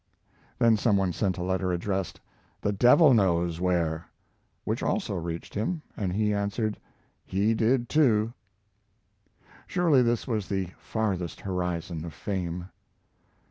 Then some one sent a letter addressed, "The Devil Knows Where." Which also reached him, and he answered, "He did, too." Surely this was the farthest horizon of fame.